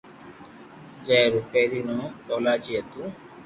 جي رو پيلي نوم ڪولاچي ھتو